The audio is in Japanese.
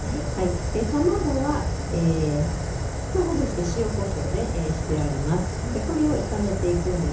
卵は、ほぐして塩こしょうをしてあります。